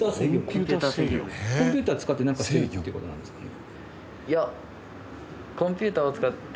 コンピューター使ってなんかしてるって事なんですかね？